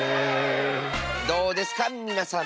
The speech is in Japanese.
どうですかみなさん。